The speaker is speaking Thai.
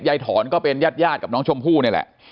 ถอนก็เป็นญาติกับน้องชมพู่นี่แหละ